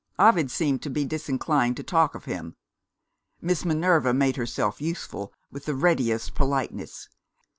Ovid seemed to be disinclined to talk of him. Miss Minerva made herself useful, with the readiest politeness.